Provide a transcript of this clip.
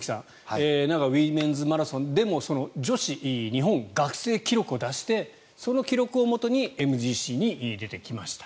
名古屋ウィメンズマラソンでも女子日本学生記録を出してその記録をもとにＭＧＣに出てきました。